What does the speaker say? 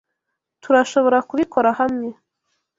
Tturashoborakubikora hamwe.